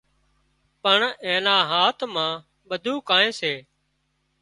پڻ اين نا هاٿ مان ٻڌوئيني ڪانئين سي